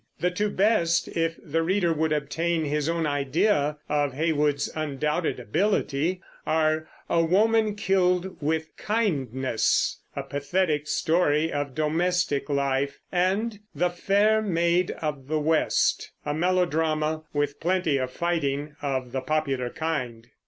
The two best, if the reader would obtain his own idea of Heywood's undoubted ability, are A Woman killed with Kindness, a pathetic story of domestic life, and The Fair Maid of the West, a melodrama with plenty of fighting of the popular kind.